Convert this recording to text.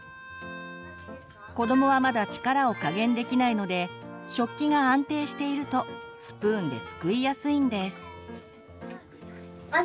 子どもはまだ力を加減できないので食器が安定しているとスプーンですくいやすいんです。